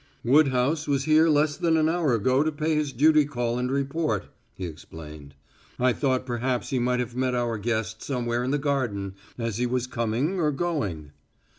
"Woodhouse was here less than an hour ago to pay his duty call and report," he explained. "I thought perhaps he might have met our guest somewhere in the garden as he was coming or going."